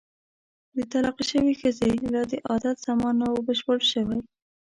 د طلاقې شوې ښځې لا د عدت زمان نه وو بشپړ شوی.